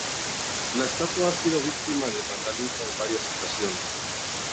La estatua ha sido víctima del vandalismo en varias ocasiones.